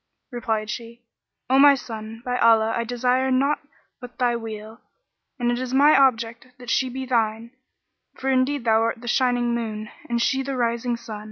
Replied she, "O my son, by Allah, I desire nought but thy weal; and it is my object that she be thine, for indeed thou art the shining moon, and she the rising sun.